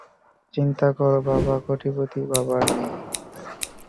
চিন্তা কর বাবা-কোটিপতি বাবার মেয়ে!